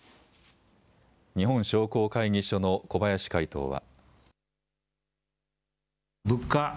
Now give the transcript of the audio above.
日本商工会議所の小林会頭は。